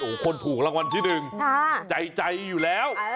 โอ้โหคนถูกรางวัลที่หนึ่งใจอยู่แล้ว